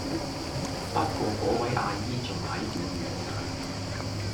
不過果位阿姨仲喺遠遠嗌